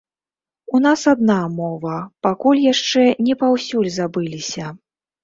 У нас адна мова, пакуль яшчэ не паўсюль забыліся.